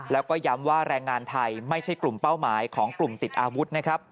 แล้วก็ย้ำว่าแรงงานไทยไม่ใช่กลุ่มเป้าหมายของกลุ่มติดอาวุธนะครับ